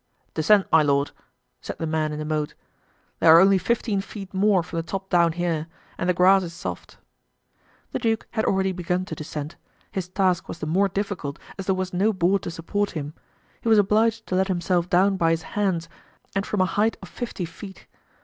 "Descend, my lord," said the man in the moat. "There are only fifteen feet more from the top down here, and the grass is soft." The duke had already begun to descend. His task was the more difficult, as there was no board to support him. He was obliged to let himself down by his hands and from a height of fifty feet.